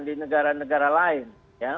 di negara negara lain